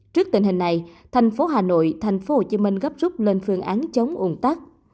trước tình hình này thành phố hà nội thành phố hồ chí minh gấp rút lên phương án chống ung tắc